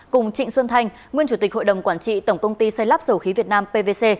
cùng trịnh xuân thanh nguyên chủ tịch hội đồng quản trị tổng công ty xây lắp dầu khí việt nam pvc